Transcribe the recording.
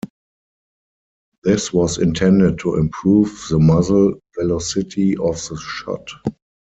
This was intended to improve the muzzle velocity of the shot.